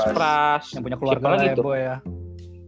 pras yang punya keluarga